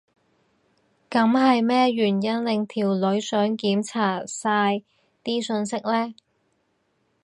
噉係咩原因令條女想檢查晒啲訊息呢？